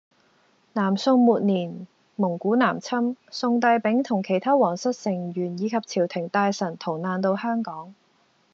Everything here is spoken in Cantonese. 南宋末年，蒙古南侵，宋帝昺同其它皇室成員以及朝廷大臣逃難到香港